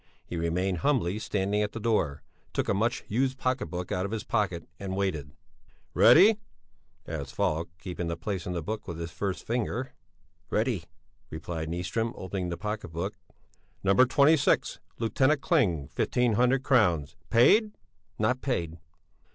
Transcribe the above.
He remained humbly standing at the door, took a much used pocket book out of his pocket and waited. "Ready?" asked Falk, keeping the place in the book with his first finger. "Ready," replied Nyström, opening the pocket book. "No. 26. Lieutenant Kling, 1500 crowns. Paid?" "Not paid."